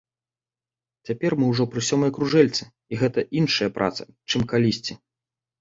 Цяпер мы ўжо пры сёмай кружэлцы, і гэта іншая праца, чым калісьці.